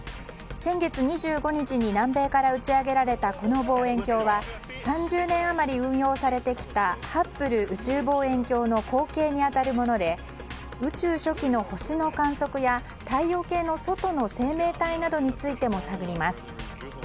先月２５日に南米から打ち上げられた、この望遠鏡は３０年余り運用されてきたハッブル宇宙望遠鏡の後継に当たるもので宇宙初期の星の観測や太陽系の外の生命体などについても探ります。